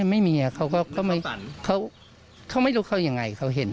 ไม่มีเขาไม่รู้เขายังไงเขาเห็น